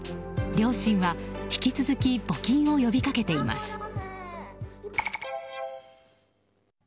両親は引き続き募金を呼び掛けています。